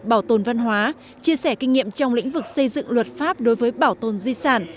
bảo tồn văn hóa chia sẻ kinh nghiệm trong lĩnh vực xây dựng luật pháp đối với bảo tồn di sản